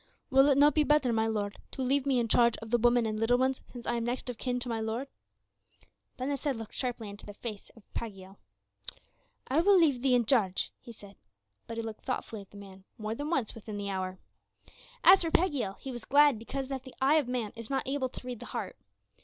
"Will it not be better, my lord, to leave me in charge of the women and little ones, since I am next of kin to my lord?" Ben Hesed looked sharply into the meek face of Pagiel. "I will leave thee in charge," he said; but he looked thoughtfully at the man more than once within the hour. As for Pagiel, he was glad because that the eye of man is not able to read the heart.